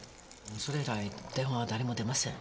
それ以来電話は誰も出ません。